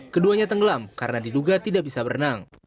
keduanya tenggelam karena diduga tidak bisa berenang